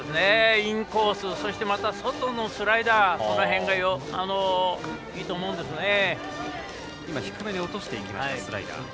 インコースそして外のスライダーその辺がいいと思うんですね。